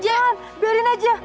jangan biarin aja